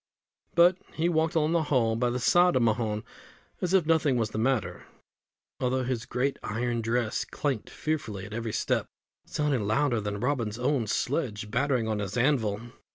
But he walked along the hall, by the side of Mahon, as if nothing was the matter, although his great iron dress clanked fearfully at every step, sounding louder than Robin's own sledge battering on his anvil.